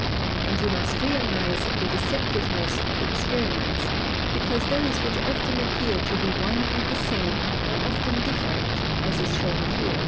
And you must realize the deceptiveness of experiments; because those which often appear to be one and the same are often different, as is shown here.